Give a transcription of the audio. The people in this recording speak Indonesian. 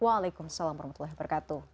waalaikumsalam warahmatullahi wabarakatuh